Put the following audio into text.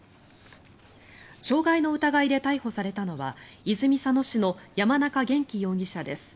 傷害の疑いで逮捕されたのは泉佐野市の山中元稀容疑者です。